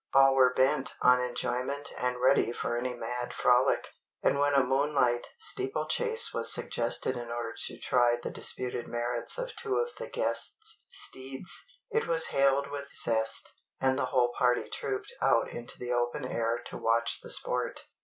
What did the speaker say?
All were bent on enjoyment and ready for any mad frolic; and when a moonlight steeplechase was suggested in order to try the disputed merits of two of the guests' steeds, it was hailed with zest, and the whole party trooped out into the open air to watch the sport.